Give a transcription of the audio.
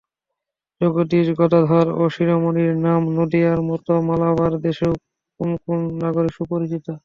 জগদীশ, গদাধর ও শিরোমণির নাম নদীয়ার মত মালাবার দেশেরও কোন কোন নগরে সুপরিচিত।